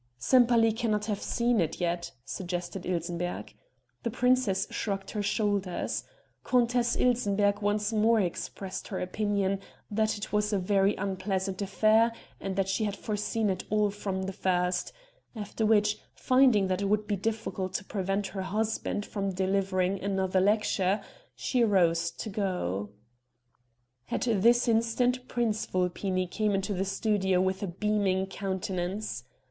"Sempaly cannot have seen it yet," suggested Ilsenbergh. The princess shrugged her shoulders. Countess Ilsenbergh once more expressed her opinion that "it was a very unpleasant affair and that she had foreseen it all from the first," after which, finding that it would be difficult to prevent her husband from delivering another lecture, she rose to go. At this instant Prince Vulpini came into the studio with a beaming countenance.